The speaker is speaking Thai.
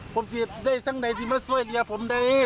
ผมสิได้ทั้งใดสิมาสวยเนี่ยผมได้